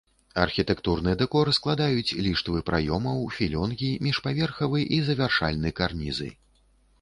Архітэктурны дэкор складаюць ліштвы праёмаў, філёнгі, міжпаверхавы і завяршальны карнізы.